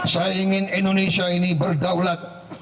saya ingin indonesia ini berdaulat